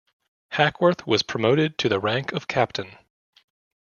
Hackworth was promoted to the rank of captain.